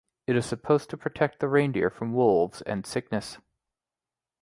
It is supposed to protect the reindeer from wolves and from sickness.